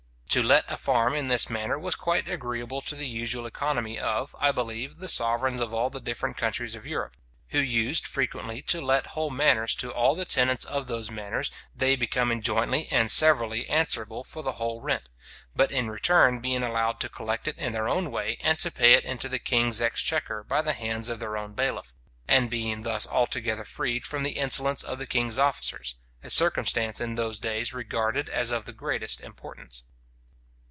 } To let a farm in this manner, was quite agreeable to the usual economy of, I believe, the sovereigns of all the different countries of Europe, who used frequently to let whole manors to all the tenants of those manors, they becoming jointly and severally answerable for the whole rent; but in return being allowed to collect it in their own way, and to pay it into the king's exchequer by the hands of their own bailiff, and being thus altogether freed from the insolence of the king's officers; a circumstance in those days regarded as of the greatest importance.